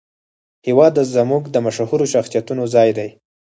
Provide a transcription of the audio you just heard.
هېواد زموږ د مشهورو شخصیتونو ځای دی